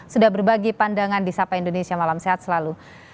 sudah berbagi pandangan di sapa indonesia malam sehat selalu